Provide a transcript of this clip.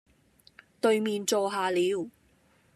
對面坐下了，